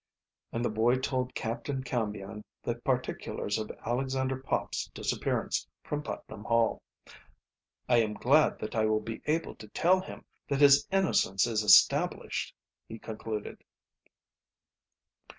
And the boy told Captain Cambion the particulars of Alexander Pop's disappearance from Putnam Hall. "I am glad that I will be able to tell him that his innocence is established," he concluded.